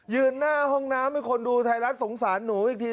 หน้าห้องน้ำให้คนดูไทยรัฐสงสารหนูอีกที